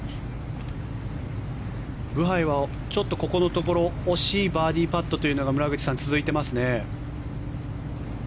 ブハイはここのところ惜しいバーディーパットというのが村口さん、続いていますね。